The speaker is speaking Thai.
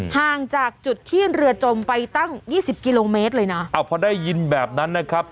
ห่างจากจุดที่เรือจมไปตั้งยี่สิบกิโลเมตรเลยนะอ้าวพอได้ยินแบบนั้นนะครับ